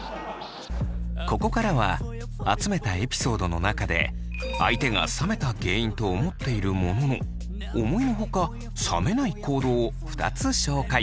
ここからは集めたエピソードの中で相手が冷めた原因と思っているものの思いのほか冷めない行動を２つ紹介。